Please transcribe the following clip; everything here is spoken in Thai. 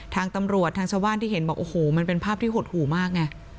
ทางตำรวจทางชาวบ้านที่เห็นบอกโอ้โหมันเป็นภาพที่หดหู่มากไง